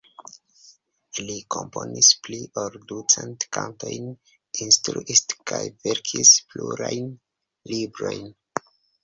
Li komponis pli ol ducent kantojn, instruis kaj verkis plurajn librojn.